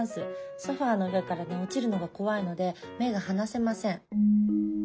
ソファーの上から落ちるのが怖いので目が離せません。